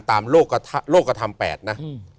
ตามโลกธรรม๘นะ